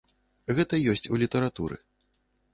Гэта ёсць у літаратуры.